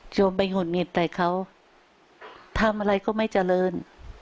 โยมไปหุดหงิดใส่เขาทำอะไรก็ไม่เจริญ